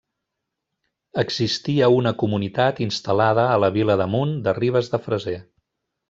Existia una comunitat instal·lada a la Vila d'Amunt de Ribes de Freser.